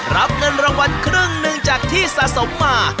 รับเงินรางวัลครึ่งหนึ่งจากที่สะสมมา